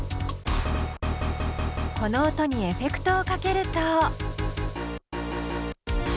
この音にエフェクトをかけると。